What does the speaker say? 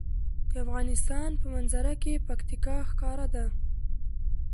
د افغانستان په منظره کې پکتیکا ښکاره ده.